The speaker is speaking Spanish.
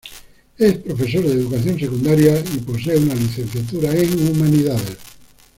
Es profesor de educación secundaria y posee una licenciatura en humanidades.